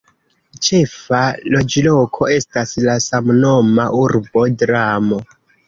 Ĉefa loĝloko estas la samnoma urbo "Dramo".